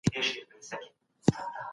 د رب په نوم پيل کول برکت لري.